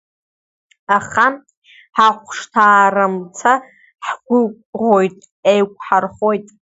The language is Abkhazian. Аха, ҳахәшҭаарамца, ҳгәыӷоит еиқәҳархоит.